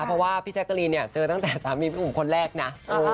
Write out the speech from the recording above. เพราะว่าพี่แจ๊กกะรีนเนี่ยเจอตั้งแต่สามีพี่หนุ่มคนแรกนะ